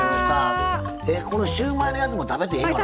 シューマイのやつも食べてええかな？